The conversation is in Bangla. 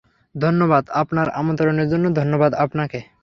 ধন্যবাদ আপনার আমন্ত্রণের জন্য, ধন্যবাদ আপনাকে!